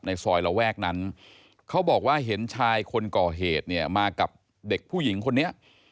ซอยระแวกนั้นเขาบอกว่าเห็นชายคนก่อเหตุเนี่ยมากับเด็กผู้หญิงคนนี้